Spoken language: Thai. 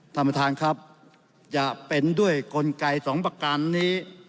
ท่านประธานครับจะเป็นด้วยกลไกสองประการนี้